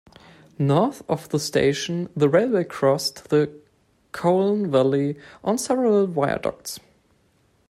North of the station, the railway crosses the Colne valley on several viaducts.